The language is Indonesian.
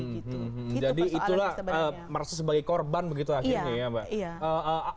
jadi itulah sebagai korban begitu akhirnya ya mbak